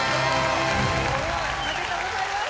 ・おめでとうございます。